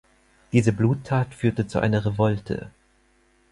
Diese Bluttat führte zu einer Revolte.